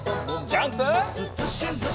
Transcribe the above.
ジャンプ！